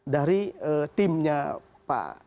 dari timnya pak